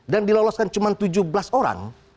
dan diloloskan cuma tujuh belas orang